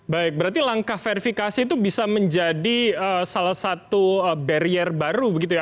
baik berarti langkah verifikasi itu bisa menjadi salah satu barrier baru begitu ya